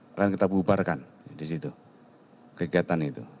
akan kita bubarkan di situ kegiatan itu